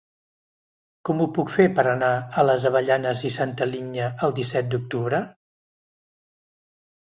Com ho puc fer per anar a les Avellanes i Santa Linya el disset d'octubre?